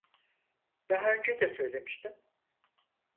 Daha önce de söylemiştim.